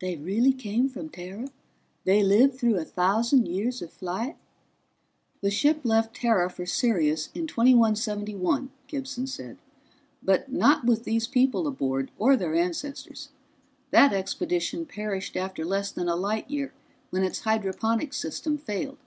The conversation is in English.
"They really came from Terra? They lived through a thousand years of flight?" "The ship left Terra for Sirius in 2171," Gibson said. "But not with these people aboard, or their ancestors. That expedition perished after less than a light year when its hydroponics system failed.